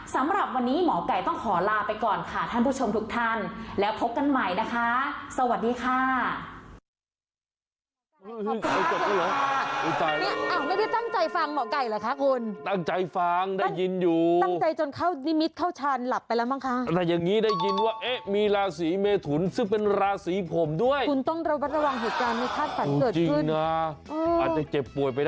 สำหรับวันนี้หมอไก่ต้องขอลาไปก่อนค่ะท่านผู้ชมทุกท่านแล้วพบกันใหม่นะคะสวัสดีค่ะ